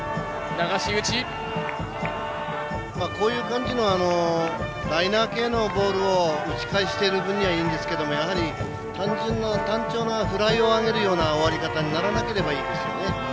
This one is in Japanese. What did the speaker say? こういう感じのライナー系のボールを打ち返している分にはいいんですけどやはり単調なフライを上げるような終わり方にならなければいいですよね。